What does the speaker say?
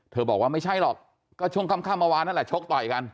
บอกว่าไม่ใช่หรอกก็ช่วงค่ำเมื่อวานนั่นแหละชกต่อยกัน